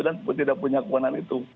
dan tidak punya kekuanan itu